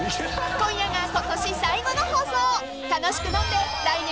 ［今夜が今年最後の放送］